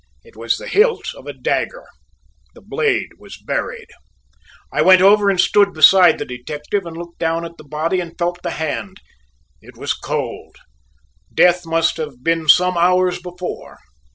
It was the hilt of a dagger; the blade was buried. I went over and stood beside the detective, and looked down at the body and felt the hand. It was cold. Death must have been some hours before.